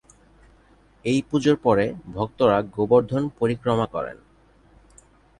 এই পুজোর পরে, ভক্তরা গোবর্ধন পরিক্রমা করেন।